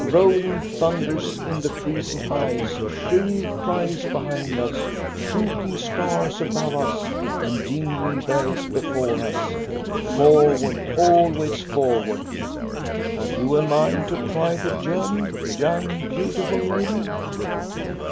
Rolling thunders in the freezing ice, shrill cries behind us, shooting stars above us, and jingling bells before us ! Forward ! Always forward I Have you a mind to try the journey, young, beautiful lady?